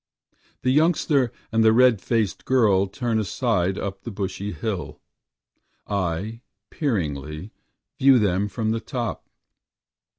The youngster and the red faced girl turn aside up the bushy hill, I peeringly view them from the top.